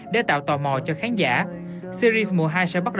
để tạo tò mò cho khán giả